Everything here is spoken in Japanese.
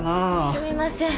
すみません。